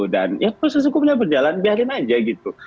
dan ya proses hukumnya berjalan biarin aja gitu